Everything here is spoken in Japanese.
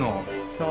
そう。